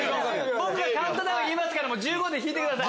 僕がカウントダウン言いますから１５で引いてください。